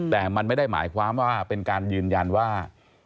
แต่มันไม่ได้หมายความว่าเป็นการยืนยันว่า